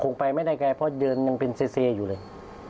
คงไปไม่ได้แค่พอเดินยังเป็นเส้อยู่เลย